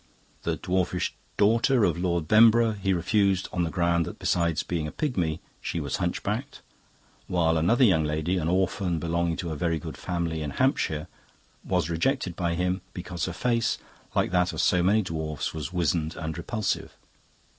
The dwarfish daughter of Lord Bemboro he refused on the ground that besides being a pigmy she was hunchbacked; while another young lady, an orphan belonging to a very good family in Hampshire, was rejected by him because her face, like that of so many dwarfs, was wizened and repulsive.